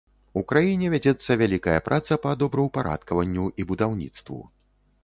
У краіне вядзецца вялікая праца па добраўпарадкаванню і будаўніцтву.